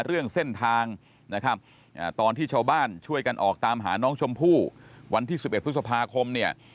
เรื่องเส้นทางนะครับตอนที่ชาวบ้านช่วยกันออกตามหาน้องชมพู่วันที่๑๑พฤษภาคมเนี่ย